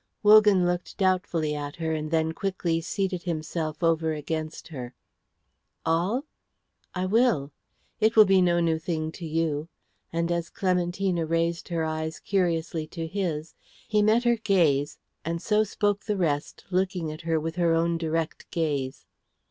Wogan looked doubtfully at her and then quickly seated himself over against her. "All? I will. It will be no new thing to you;" and as Clementina raised her eyes curiously to his, he met her gaze and so spoke the rest looking at her with her own direct gaze.